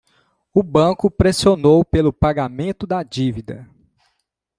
O banco pressionou pelo pagamento da dívida.